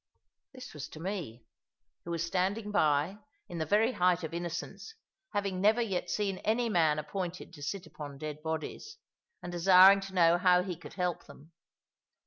This was to me, who was standing by, in the very height of innocence, having never yet seen any man appointed to sit upon dead bodies, and desiring to know how he could help them.